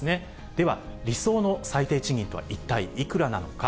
では、理想の最低賃金とは一体いくらなのか。